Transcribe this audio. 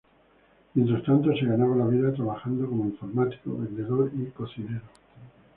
Mientras tanto se ganaba la vida trabajando como informático, vendedor y cocinero.